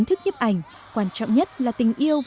thì mình có sắp đặt